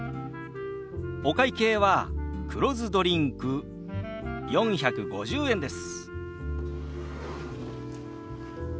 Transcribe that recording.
お会計は黒酢ドリンク４５０円です。